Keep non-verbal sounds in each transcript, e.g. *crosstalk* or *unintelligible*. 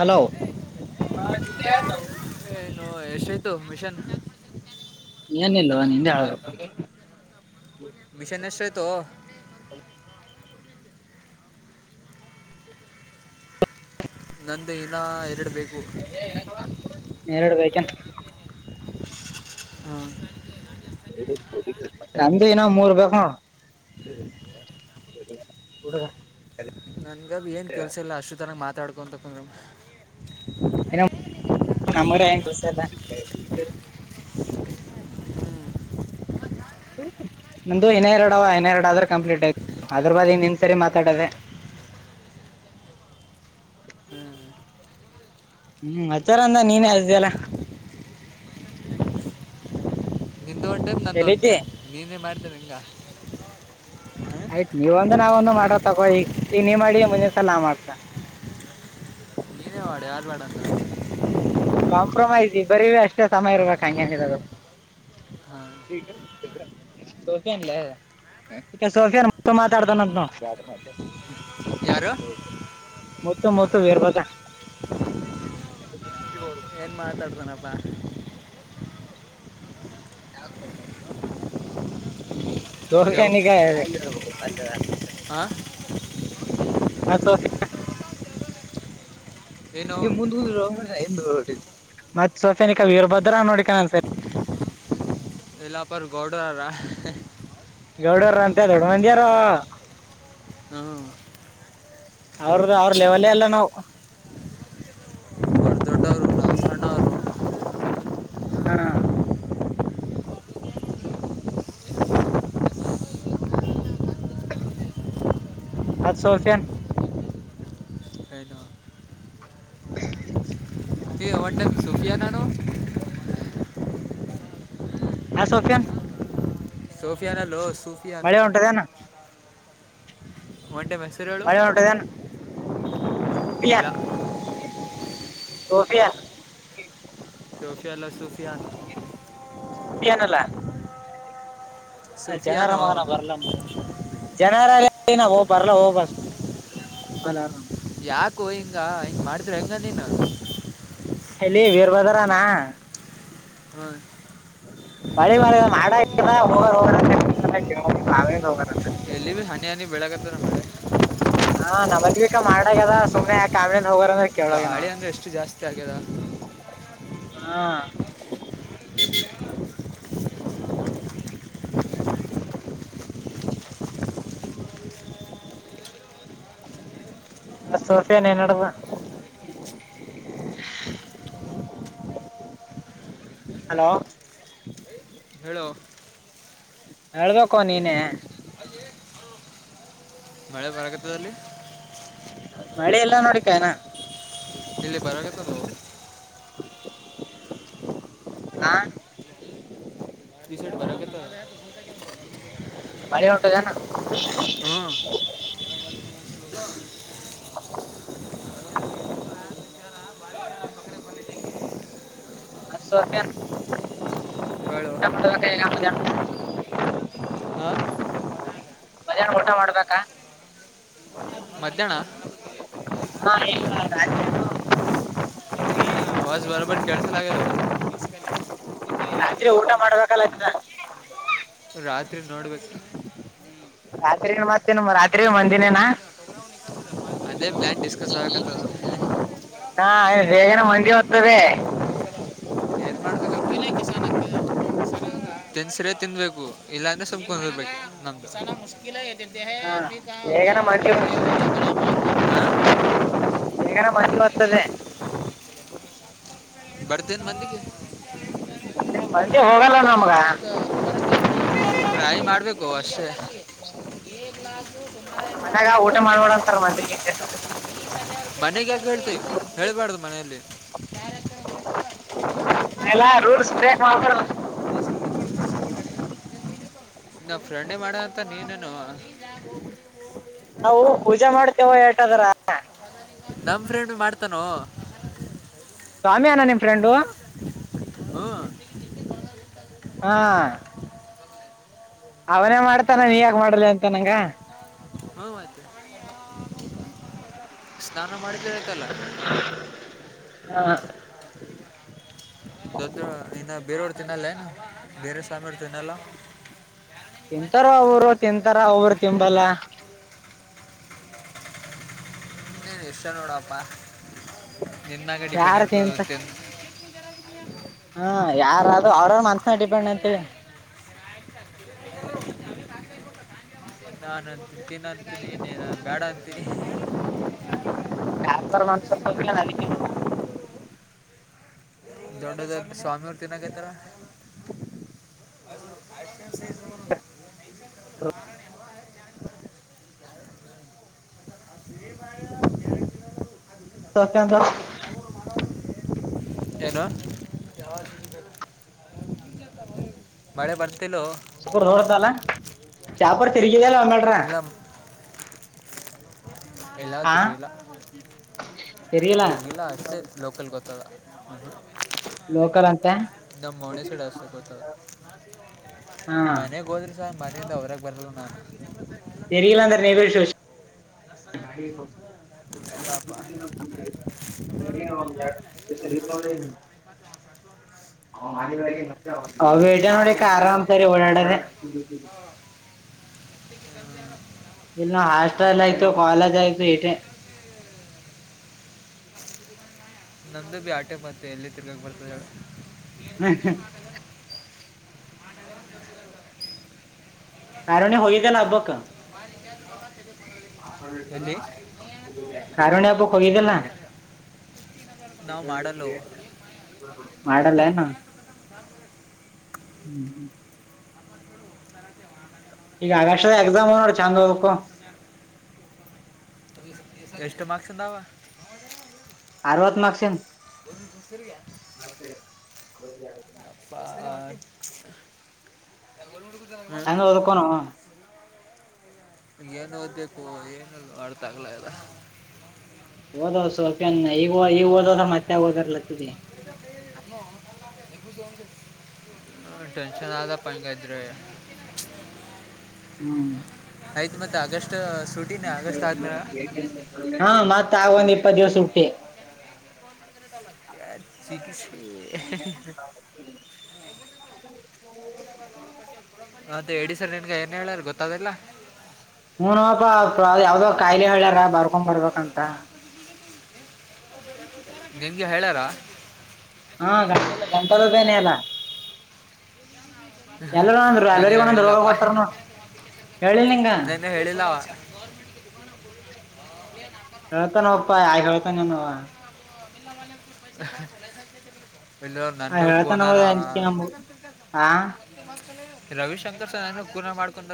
Hello ಏನು ಎಷ್ಟಯ್ತು mission ಏನಲೋ ನೀನೆ ಹಳ್ಬೇಕು ಮಿಷನ್ ಎಷ್ಟಾಯ್ತು ನಂದ ಇನ ಎರಡ ಬೇಕು *inaudible* ಹಾ ಹಂಗೆ ಇನ ಮೂರ್ ಬೇಕ ನೋಡ *inaudible* ನನ್ಗದ ಏನ್ ಕೆಲ್ಸ ಇಲ್ಲ ಅಷ್ಟು ತನ ಮಾತಾಡ್ಕೊಂತಕಂದ್ರ *unintelligible* *inaudible* ಹ *inaudible* ನಂದು ಇನ್ನ ಎರಡು ಅವ ಇನ್ನ ಎರಡು ಆದ್ರೆ ಕಂಪ್ಲೀಟ್ ಆಯತು ಅದ್ರ ಬದೀ ನಿಂದ್ ಸರಿ ಮಾತಾಡದೆ ಹ್ಮ್ ಹ್ಮ್ ಆಚಾರ ಅಂದ ನೀನೇ ಹದಿಯಲ್ಲ ನಿಂದು ಒಂದು ಟೈಮ್ ನಂದು ಟೈಮ್ ನೀನೇ ಮಾಡಿದಲ್ಲ ಹಿಂಗ ಆಯ್ತ್ ನೀವೊಂದು ನಾವ ಒಂದು ಮಾಡೋದ ತಗೋ ಈಗ ಇ ನೀ ಮಾಡಿ ಮುಂದಿನಸಲ ನಾ ಮಾಡ್ತ ನೀನೇ ಮಾಡ ಯಾರ ಬ್ಯಾಡಂದ್ರ ಕಾಂಪ್ರೊಮೈಸ್ ಇಬರೀವಿ ಅಷ್ಟೇ ಸಮ ಇರ್ಬೇಕಕ್ ಹೇನಿರೋದು ಹಾಂ ದೋಸನಲ್ಲ ಸೋಫಿಯನ್ ಮಾತಾಡತಾನ ಯಾರು ಮೊತ್ತ ಮೊತ್ತ ಬೇರ್ಬದ ಏನು ಮಾತಾಡ್ತಾನಪ್ಪ ಹ ಸೋಕ್ಯಾನಗ ಅಲ್ಲ ಹ ಹಾ ಸಕ ಏನು ನೀ ಮುಂದ ಮತ್ ಸೊಫೆನಿಕರ ಬದ್ರ ನೋಡಿಕ ಸರಿ ಎಲ್ಲಪರು ಗೌಡರಾರ ಗೌಡರ ಅಂತ ದೊಡ್ಡ ಮಂದಿಯಾರ ಹಾ ಅವ್ರ ಅವ್ರ ಲೆವೆಲ್ ಎಲ್ಲ ನಾವವು ಬಡ್ ದೊಡ್ಡರುಷಣರು ಹಾ *unintelligible* ಅತ್ತು ಸೊಫನ್ *unintelligible* ಏನು ಅ ಒಡ್ಲು ಸೋಪಿಯಾನಾನು ಹಾ ಸೋಫಿಯನ್ ಸೋಫಿಯಾನ ಲೋಸ್ ಮಳೆ ಉಂಟದನ *unintelligible* ಮಳಟದನ್ನ್ ಇಲ್ಲ *unintelligible* ಸೋಫಿಯ ಸೋಫಿಯಲ್ಲ ಸೂಫಿಯಾನ್ ಕೆನಲ್ಲ ಜನರ ಸೂಫಿಯಾನು ಮಗನ ಬರಲ್ಲ ಜನ ರೇ ನ ಹ ಪಾರಲ್ಲ ಹ ಬ ಆರಾಮ ಯಾಕು ಹಿಂಗ ಹಿಂಗ ಮಾಡಿದ್ರ ಹೆಂಗ ನೀನು ಹೆಲ್ಲಿ ವೀರ್ಭದ್ರಾನ ಹ್ಮ್ ಮಳಿ ಮ ಮಾಡ ಹ ಹೋಗ ನಾವೇ ಹೋಗಂತ ಎಲ್ಲಿ ಬಿ ಹನಿ ಹನಿ ಬೆಳಕತ್ತ ನೆ ಹಾ ನಾ ಬದಬೇಕಾ ಮಾಡಡದ ಸುನೆ ಯಕ ಆಮೆ ಗಾಳಿ ಅಂದ್ರೆ ಎಷ್ಟು ಜಾಸ್ತಿ ಆಗ್ಯದ ಹಾ *unintelligible* ಅ ಸೋಫಿಯನ್ ಏನ್ಡುವ ಹಲೋ ಹೇಳು ಹೇಳ್ಬೇಕು ನೀನೇ ಬರಗತದಲ್ಲಿ ಮಳೆ ಎಲ್ಲ ನೋಡಿಕಾಯನಾ ಇಲ್ಲಿ ಬರಗತ್ತದು ಹಾ ಇಟ ಶರ್ಟ್ ಬರ ಕೊತ್ತು ಮಳಿ ಹೊಟದಾನ ಹ್ಞೂ ಹ ಸು ಅಕ ಹೇಳು ಗಕಗಲ್ಲಿ ಹಾಂ ಮಧಹ್ನ ಊಟ ಮಾಡ್ಬೇಕಾ ಮಧ್ಯಾಹ್ನ ಹಾ ಈ ರಾಜ ಬಸ್ ಬರಬ ಕೆಳ್ಸ ಲಾಗೆದು ರಾತ್ರಿ ಊಟ ಮಾಡ್ಬೇಕಲ್ಲ ಇದನ್ನ ರಾತ್ರಿ ನೋಡ್ಬೇಕು ರಾತ್ರಿ ಏ ಮತನಮ್ಮ ರಾತ್ರಿ ಮಂದಿನೇನಾ ಅದೇ ಪ್ಲ್ಯಾನ್ ಡಿಸ್ಕಸ್ ಆಗಕತ್ತದ ಹಾ -ಸೇಗನೆ- ಮಗೆ ಹೋಗ್ತದೆ. ಮಾಡಬೇಕ ತಿನ್ಸ್ರೆ ತಿನ್ಬೇಕು ಇಲ್ಲಾಂದ್ರೆ ಸುಮಕೊಂಡಿರ್ಬೇಕು. ಮು್ಿಲ ಹಾ ಬೇಗನ ಮಂದಿ *unintelligible* ಎಗನ ಮುವತ್ತದೆ. ಬರ್ತನ್ ಮಂದಿಗೆ. *unintelligible* ಮಂದಿ ಹೋಗಲ್ಲ ನಮ್ಗ ಕೊಶ *unintelligible* ಲಾಖ ದ ತುಮಾರ ಲಾಖ ಮನ್ಯಾಗ ದೊಡ್ಡ ಲಾ ಊಟ ಬೀ ಮಾಡ್ಬೇಡ ಅಂತಾರ ಮಂದಿಗೆ ಹಾರ ಬನೆಗ *unintelligible* ಹೇಳ್ತೀವಿ ಹೇಳ್ಬಾರ್ದು ಮನೆಯಲ್ಲಿ. ಬಿಟ್ಟು ಎಲ್ಲಾ ರೂಲ್ಸ್ ಟ್ರಕ್ ಮಾಡ್ತಾರ. ನಾ- ಫ್ರಂಡೆ ಮಾಡ ಅಂತ ನೀನನು. ನಾವು ಪೂಜೆ ಮಾಡ್ತೇವ ಏಟದ್ರ ನಮ್ಮ ಫ್ರೆಂಡ್ ಮಾಡ್ತಾನೋ. ಸ್ವಾಮಿ ಅ್ಣ ನಿಮ್ಮ ಫ್ರೆಂಡು *inaudible* ಹಾ ಹಾ ಅವನೇ ಮಾಡ್ತಾನ- ನಾನು ನೀ- ಯಾಗ ಮಾಡಲಿ ಅಂತ ನಂಗೆ. ಹ್ಞೂ ಮತ್ತೆ ಸ್ನಾನ ಮಾಡಿ ಹಾ ದ -ಇ -ಬೇರೋಳ- ತಿನ್ನಲ್ಲನು ಬೇರೆ ಸಾಮರ ತಿನ್ನಲ್ಲ ತಿಂತಾರ ಅವರು ತಿಂತಾರ ಅವರು ತಿಂಬಲ್ಲ. ನು -ಇಷ್ಟ ನೋಡಪ್ಪ ನಿನ್ನಾಗ ಡಿಪೆಂಡ್ ಇರ್ತದ ತಿ. ಹ್ಮ- ಯಾರ ಅವ್ರ ಮನ್ಸನ ಡಿಪೆಂಡ್ ಅಂತ *inaudible* ನಾನು- ಅ -ತಿನ್ ಅಂತೀನಿ ಬೇಡ ಅಂತೀ. ಯರ ಮನುಸದ *unintelligible* ದಡ್ಡದ ಸ್ವಾಮಿ ಅವರು ತಿನ್ನಕಾಯತಾರ. ಅ -ಸ *unintelligible* ಅದೇ *unintelligible* ಸಕಂತ್ರಾ ಏನು -ಯ ಮಳೆ ಬರ್ತ್. ಸಕರ್ ಹೊರ್ದಲ್ಲ ಚಾಪರ್ ತಿರುಗಿದಲ್ ಆಮ್ಮ್ಯಾಲ್. ಇಲ್ಲ ಎಲ್ಲ ತಿರುಗಲ ತಿರಿಗಿಲ್ಲ ತಿರುಗಿಲ್ಲ ಅಷ್ಟೇ ಲೋಕಲ್ ಗತ್ತ. ಅ ಲೋಕಲ್ ಅಂತೇ. ಮನೆಗ್ ಹೋದ್ರಿ ಸಾರ್ ಮನೆಯಿಂದ ಅವ್ರಾಗ ಬರಲ್ ನಾನು ಸರಿಲಾ ಅಂತ ಪಾಪ ನ *unintelligible* *inaudible* *unintelligible* ವೇಟ ನಡಿ ಆರಾಮ ತಾರೆ ಓಳ್ಳಾಡದೆ. ಇಲ್ಲ ಹಾಸ್ಟೆಲ್ ಆಯ್ತು ಕಾಲೇಜ್ ಆಯ್ತುದೇ. ನಮ್ದು -ಬಿ -ಆಟೆ ಮತ್ತೆ ಎಲ್ಲಿ ತಿರ್ಗಾಕ ಬರ್ತದಳ ಹ್ಮ ಹ *unintelligible* ಹರನ ಹೋಗದೆ ಲಭಕ *unintelligible* ಹ ಕಾರಣ್ಯಾಕು ಕಗಿದ್ದ ನಾವು ಮಾಡಲು *unintelligible* ಮಾಡಲ್ ಏನು. ಹ್ಮ್ ಹ್ಮ *unintelligible* ಈಗ ಆಗಷ್ಟದಾಗ್ ಎಕ್ಸಾಮ್ ಅದಾವ್ ನೋಡ್ ಚೆಂದಗ ಓದ್ಕೋ ಎಷ್ಟು ಮಾರ್ಕ್ಸಿಂದಾವ ಆರವತ್ ಮಾರ್ಕ್ಸಿಂದ್ *unintelligible* *inaudible* *unintelligible* ಹೆಂಗ ಓದ್ಕೋನೋ ಏನ ಓದ್ಬೇಕು ಏನು ಇಲ್ಲೋ ಅರ್ಥ ಆಗ್ಲಾಗ್ಯಾದ ಓದೋ ಸೋಪನ್ ಈಗ ಈಗ ಓದೋದ ಮತ್ತೆ ಓದರ್ಲತ್ತಿದಿ ಟೆನ್ಷನ್ ಆದಪ್ಪ ಹಿಂಗ ಇದ್ರೆ ಹ್ಮ್ ಐತ್ ಮತ್ ಆಗಸ್‌ ಹಾ ಮತ್ತ್ ಆಗ ಒಂದ್ ಇಪ್ಪತ್ತು ದಿವಸ ಸೂಟಿ ಯಾರ್ ಚಿಕಿತ್ಸೆ *unintelligible* *unintelligible* ಸರಿ ನಿನ್ಗ ಏನ್ ಹೇಳಾರ ಗೊತ್ತಾದಿಲ್ಲ ಹೂನೋಪಾ ಯಾವ್ದೋ ಕಾಯಿಲೆ ಹೇಳ್ಯಾರ ಬರ್ಕೊಂಬರ್ಬೇಕಂತ ನಿನ್ಗೆ ಹೇಳ್ಯಾರ ಹಾ ಗಂಟಲ ಗಂಟಲ ಬ್ಯಾನಿ ಅದ ನನಗೆ ಹೇಳಿಲ್ಲಪ್ಪ *unintelligible* ನೆನ್ನೆ ಹೇಳಿಲ್ಲವಾ *inaudible* *unintelligible* ಹೇಳ್ತಾನೊಪ್ಪ ಯಾರ್ಗ ಹೇಳ್ತಾನವ *unintelligible* ಹಾ ನನ್ಗೆ ಹೇಳ್ತನವ ಕೋನಾನವ ಅಂಜ್ಕಿ ನಮಗ ಹಾ ರವಿಶಂಕರ್ ಸರ್ ಏನೋ ಕೂನ ಮಾಡ್ಕೊಂಡ್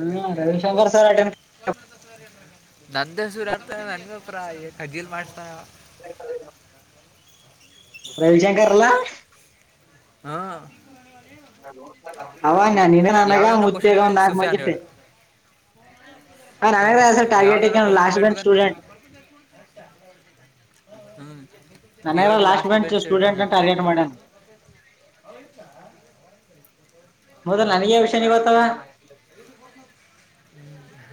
ಹ್ಮ ರವಿಶಂಕರ್ ಸರ್ ಅಟೆ *unintelligible* *unintelligible* ರವಿಶಂಕರ್ ಅಲ್ಲ ಹಾ ಅವ ನಿಗ ನನಗ ಯಾವ್ದನ್ನ ಮುತ್ತ್ಯಾಗ ಒಂದ್ ನಾಲ್ಕು ಮಂದಿಕೆ ಹೆಲೋ ಯಾವ್ದನ ಕ್ವೆಷನ್ ಲಾಸ್ಟ್ ಬೆಂಚ್ ಹೇಳ್ಬೇಕಂದ್ರ ಸ್ಟೂಡೆಂಟ್ ಹ್ಮ್ ಮನ್ಯಾಗ ಲಾಸ್ಟ್ ಬೆಂಚ್ ಸ್ಟೂಡೆಂಟ್ನ ಟಾರ್ಗೆಟ್ ಮಾಡ್ಯಾನ *unintelligible* ಮೊದಲ್ ನನ್ಗೆ ವಿಷಯ ನಿ ಗೊತ್ತಾವ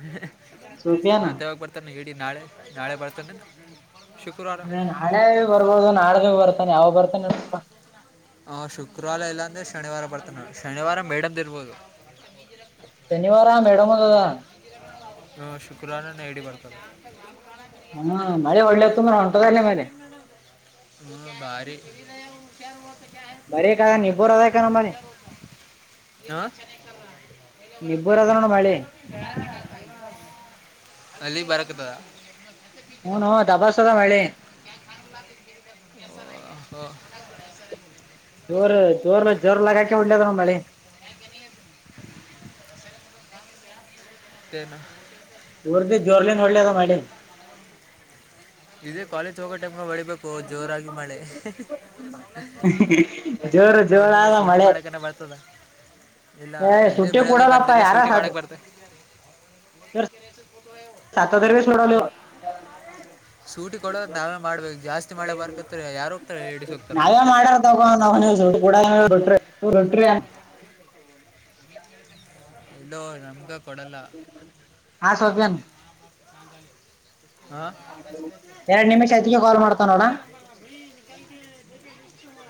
ಹ್ಮ್ ಮತ್ತೆವಾಗ ಬರ್ತಾನ ಈ ಡೀ ನಾಳೆ ನಾಳೆ ಬರ್ತಾನೇನ್ ಹ್ಮ ನಾಳೆ ಬರ್ಬೋದು ನಾಡ್ದ ಬರ್ತಾನ ಯಾವಾಗ ಬರ್ತಾನನ್ಪ ಅವ ಶುಕ್ರವಾರ ಇಲ್ಲಾ ಅಂದ್ರೆ ಶನಿವಾರ ಬರ್ತನಾ ಶನಿವಾರ ಮೇಡಮ್ದ್ ಇರ್ಬೋದು ಶನಿವಾರಾ ಮೇಡಮಂದದಾ ಹೂಂ ಶುಕ್ರವಾರನೆ ಐಡಿ ಬರ್ತದ ಹ್ಞೂ ಭಾರಿ *unintelligible* *unintelligible* ಹಾಂ *unintelligible* ನಿಬ್ಬೂರದ ನೋಡ್ ಮಳೀ ಅಲ್ಲಿ ಬರಾಕತ್ತದ ಹೂನೋ ದಬಾಸೆದ ಮಳಿ *unintelligible* ಟ ಇ ಜೋರ್ ಜೋರ್ ಜೋರ್ ಲಗಾಕೆ ಹೊಡ್ಲದ ನೋಡ್ ಮಳಿ *inaudible* ತನು *inaudible* ಜೋರ ಜೋರ್ಲಿನ ಒಳ್ಳೆಯಾಗ ಮಾಡ ಇದೇ ಕಾಲೇಜ್ ಹೋಗೋ ಟೈಮ್ಗೆ ಹೊಳಬೇಕು ಜೋರಾಗಿ ಮಳೆ ಜೋರ ಜೋರ ಮುಂದಿನ ಆದ ಸೂಟಿ ಮಳೆ ಮಾಡೋಕನ ಬರ್ತದ ಇಲ್ಲ ಏ ಇದೇ ಸುಟ್ಟಿ ಬೆಳಗ್ಗೆ ಕೊಡಲ್ಲಪ್ಪಾ ಬಂದಿದ್ರೆ ಯಾರ ಶೂಟಿ ಮಾಡಕ್ ಬರ್ತೆ ಮತ್ತಕ್ಕೆಸ ಪೂಟ ಇವ ಹೌ ಸೂಟಿ ಕೊಡೋ ನಾವೇ ಮಾಡ್ಬೇಕ ಹೋಗ್ತಾರ ನಾವೇ ಮಾಡ್ಯಾರ ತಗೋ ನ ಕೂಡಟ್ರಿ ಟ್ರ *inaudible* ಇಲ ನಮ *inaudible* ಹಾ ಸೋಭಿಯನ್ ಯಾರ ನೀಮ್ಮ ಚಾತಿ ಕೈ *inaudible*